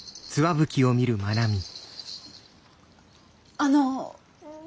あの。